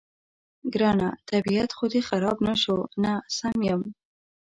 ګرانه، طبیعت خو دې خراب نه شو؟ نه، سم یم.